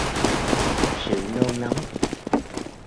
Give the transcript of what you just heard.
sự nôn nóng